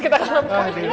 kita akan lompat